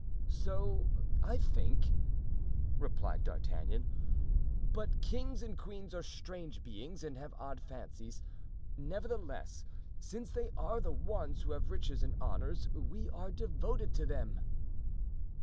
"So I think," replied D'Artagnan; "but kings and queens are strange beings and have odd fancies; nevertheless, since they are the ones who have riches and honors, we are devoted to them."